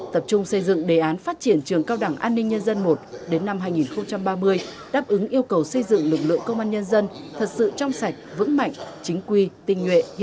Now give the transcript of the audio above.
tập trung xây dựng đề án phát triển trường cao đẳng an ninh nhân dân i đến năm hai nghìn ba mươi đáp ứng yêu cầu xây dựng lực lượng công an nhân dân thật sự trong sạch vững mạnh chính quy tinh nguyện